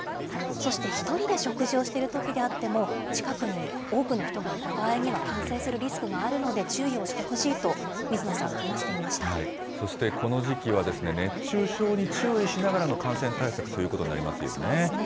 そして１人で食事をしているときであっても、近くに多くの人がいた場合には、感染するリスクがあるので注意をしてほしいと、水野そしてこの時期は、熱中症に注意しながらの感染対策ということになりますよね。